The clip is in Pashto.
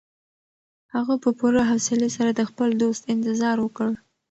هغه په پوره حوصلي سره د خپل دوست انتظار وکړ.